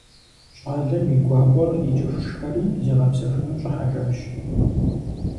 Щӏалэм и гуакъуэр икӏыху шхэри зигъэпсэхуну щӏыхьэжащ.